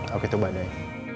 aku itu badai